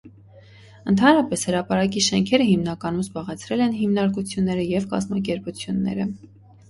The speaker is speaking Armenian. Ընդհանրապես, հրապարակի շենքերը հիմնականում զբաղեցրել են հիմնարկությունները և կազմակերպությունները։